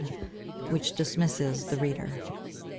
_Which dismisses the Reader.